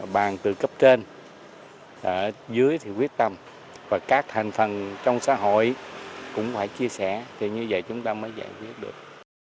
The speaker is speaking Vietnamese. bàn từ cấp trên dưới thì quyết tâm và các thành phần trong xã hội cũng phải chia sẻ thì như vậy chúng ta mới giải quyết được